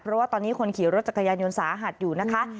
เพราะว่าตอนนี้คนขี่รถจักรยานยนต์สาหัสอยู่นะคะ